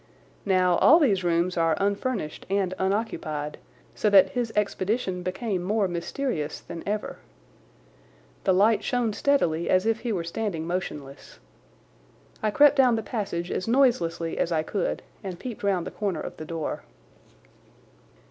Now, all these rooms are unfurnished and unoccupied so that his expedition became more mysterious than ever. The light shone steadily as if he were standing motionless. I crept down the passage as noiselessly as I could and peeped round the corner of the door.